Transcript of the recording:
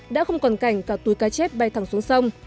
đã không còn cảnh cả túi cá chép bay thẳng xuống sông